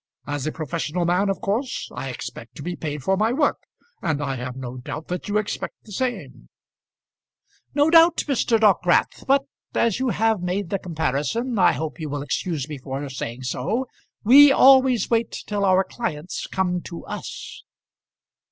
As a professional man, of course I expect to be paid for my work; and I have no doubt that you expect the same." "No doubt, Mr. Dockwrath; but as you have made the comparison, I hope you will excuse me for saying so we always wait till our clients come to us."